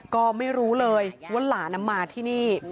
ก็ไม่รู้เลยว่าหลานมาที่นี่